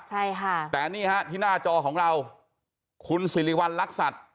ใช่ค่ะแต่นี่ฮะที่หน้าจอของเราคุณสิริวัณรักษัตริย์